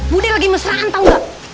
budi lagi mesraan tau gak